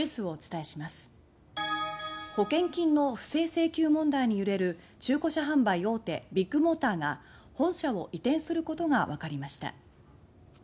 保険金の不正請求問題に揺れる中古車販売大手ビッグモーターが本社を移転すると明らかにしました。